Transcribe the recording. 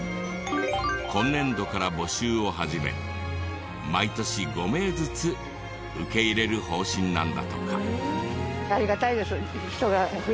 今年度から募集を始め毎年５名ずつ受け入れる方針なんだとか。